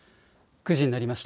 ９時になりました。